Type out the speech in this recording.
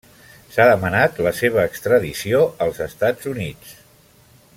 S'ha demanat la seva extradició als Estats Units.